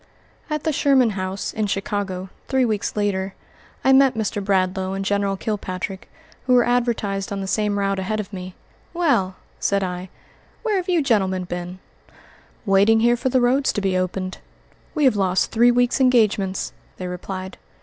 At the Sherman House, in Chicago, three weeks later, I met Mr. Bradlaugh and General Kilpatrick, who were advertised on the same route ahead of me. "Well," said I, "where have you gentlemen been?" "Waiting here for the roads to be opened. We have lost three weeks' engagements," they replied.